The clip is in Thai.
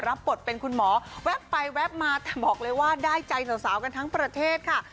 รับบทเป็นคุณหมอแว๊บไปแวบมาแต่บอกเลยว่าได้ใจสาวกันทั้งประเทศค่ะ